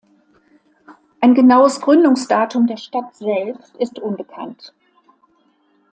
Ein genaues Gründungsdatum der Stadt selbst ist unbekannt.